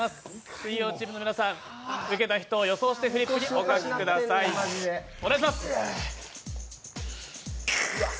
水曜チームの皆さん、受けた人を予想してフリップにお書きください、お願いします。